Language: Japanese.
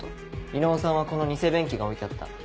伊能さんはこの偽便器が置いてあった